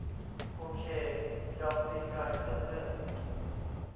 โอเค ยอมพลีกาย เพื่อเพื่อน